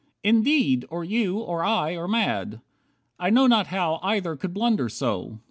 Indeed, Or you, or I, are mad. I know not how Either could blunder so."